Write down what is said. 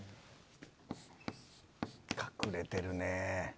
隠れてるねぇ。